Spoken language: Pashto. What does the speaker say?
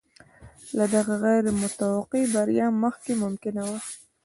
له دغې غیر متوقع بریا مخکې ممکنه نه وه.